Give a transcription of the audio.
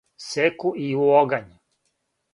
секу и у огањ